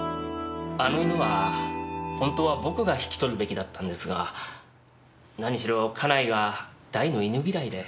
あの犬は本当は僕が引き取るべきだったんですが何しろ家内が大の犬嫌いで。